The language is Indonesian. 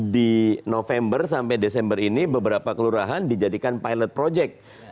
di november sampai desember ini beberapa kelurahan dijadikan pilot project